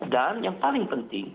dan yang paling penting